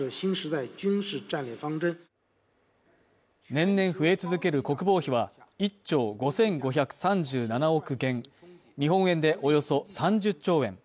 年々増え続ける国防費は１兆５５３７億元、日本円でおよそ３０兆円。